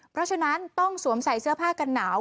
เพราะฉะนั้นต้องสวมใส่เสื้อผ้ากันหนาว